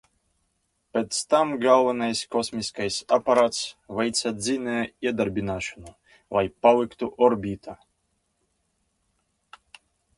Pēc tam galvenais kosmiskais aparāts veica dzinēja iedarbināšanu, lai paliktu orbītā.